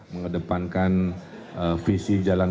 mengedepankan visi jalan